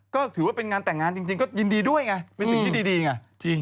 ก็ถือว่าเป็นงานแต่งงานจริงก็ยินดีด้วยไงเป็นสิ่งที่ดีไง